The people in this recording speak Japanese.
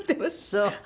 そう。